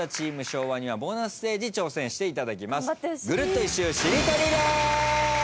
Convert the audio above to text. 昭和にはボーナスステージ挑戦していただきます。